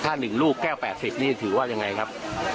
ถ้าหนึ่งลูกแก้วแปดเสร็จนี่ถือว่ายังไงครับ